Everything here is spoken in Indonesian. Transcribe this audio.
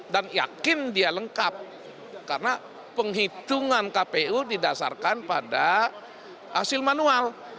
dan yakin dia lengkap karena penghitungan kpu didasarkan pada hasil manual